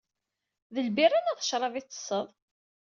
D lbirra neɣ d ccrab i ttesseḍ?